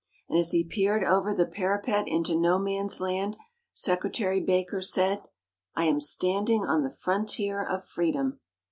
And as he peered over the parapet into No Man's Land, Secretary Baker said: "I am standing on the frontier of freedom."